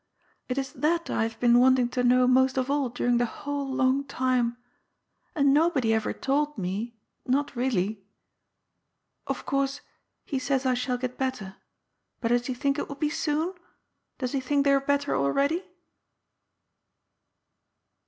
It is that I have been wanting to know most of all during the whole long time. And nobody ever told me — not really. Of course, he says I shall get better. But does ho think it will be soon ? Does he think they are better already